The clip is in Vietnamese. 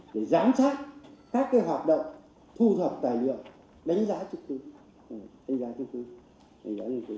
để giám sát các hoạt động thu thập tài liệu đánh giá trực tuyến